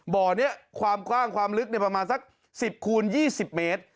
บ่อนี้ความกว้างความลึกประมาณสัก๑๐คูณ๒๐เมตร